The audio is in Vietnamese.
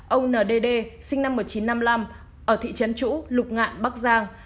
ông n d d sinh năm một nghìn chín trăm năm mươi năm ở thị trấn chũ lục ngạn bắc giang